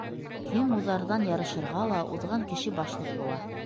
Кем уҙарҙан ярышырға ла, уҙған кеше башлыҡ була.